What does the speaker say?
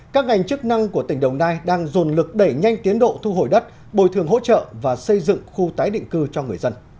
các ngành chức năng của tỉnh đồng nai đang dồn lực đẩy nhanh tiến độ thu hồi đất bồi thường hỗ trợ và xây dựng khu tái định cư cho người dân